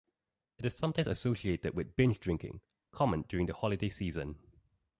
It is sometimes associated with "binge drinking" common during the holiday season.